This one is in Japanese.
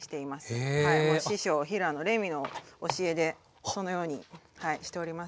師匠平野レミの教えでそのようにしております。